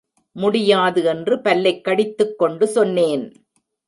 முடியாது என்று பல்லைக் கடித்துக் கொண்டு சொன்னேன்.